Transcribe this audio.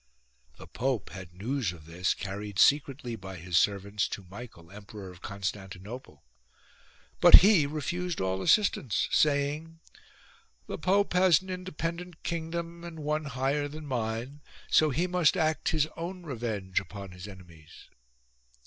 The Pope had news of this carried secretly by his servants to Michael, Emperor of Constantinople ; but he refused all assistance say ing :" The Pope has an independent kingdom and one higher than mine ; so he must act his own revenge upon his enemies."